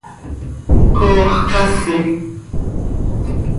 ¡Coox casi!